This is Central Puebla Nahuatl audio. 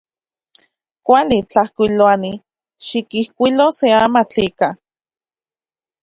Kuali. Tlajkuiloani, xikijkuilo se amatl ika.